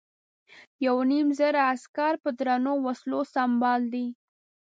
یو نیم زره عسکر په درنو وسلو سمبال دي.